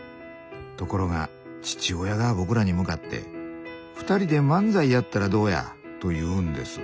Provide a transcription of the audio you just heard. ところが父親が僕らに向かって「２人で漫才やったらどうや？」と言うんです。